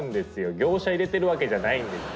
業者入れてるわけじゃないんですよ！